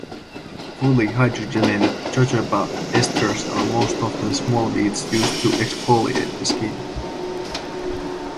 Fully hydrogenated jojoba esters are most often small beads used to exfoliate the skin.